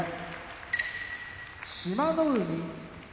志摩ノ海